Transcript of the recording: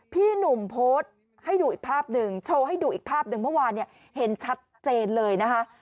พี่หนุ่มโพสต์ให้ดูอีกภาพหนึ่งโชว์ให้ดูอีกภาพหนึ่งเมื่อวานเนี่ยเห็นชัดเจนเลยนะคะ